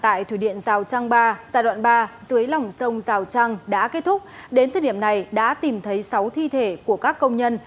tại thủy điện giao trang ba giai đoạn ba dưới lòng sông giao trang đã kết thúc đến thời điểm này đã tìm thấy sáu thi thể của các công nhân